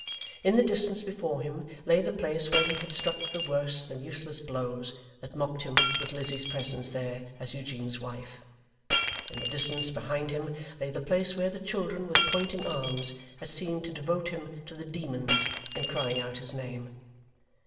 In the distance before him, lay the place where he had struck the worse than useless blows that mocked him with Lizzie's presence there as Eugene's wife. In the distance behind him, lay the place where the children with pointing arms had seemed to devote him to the demons in crying out his name.